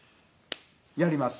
やります。